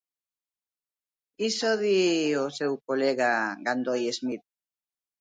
Iso di o seu colega Gandoi Smith.